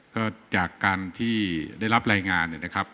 ก็จากการที่ได้รับรายงานเนี่ยนะครับ